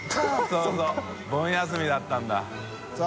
そうそう盆休みだったんだ。